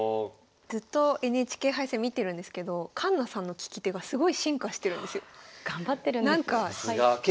ずっとＮＨＫ杯戦見てるんですけど環那さんの聞き手がすごい進化してるんですよ。頑張ってるんです。